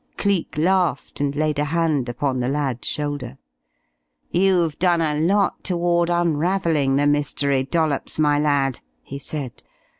Cleek laughed and laid a hand upon the lad's shoulder. "You've done a lot toward unravelling the mystery, Dollops, my lad," he said.